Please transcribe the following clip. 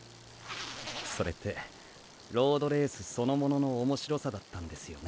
それってロードレースそのものの面白さだったんですよね。